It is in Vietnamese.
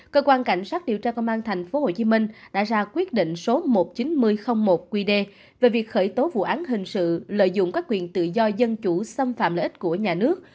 cơ quan cảnh sát điều tra công an tp hcm đã ra quyết định số một mươi chín nghìn một qd về việc khởi tố vụ án hình sự lợi dụng các quyền tự do dân chủ xâm phạm lợi ích của nhà nước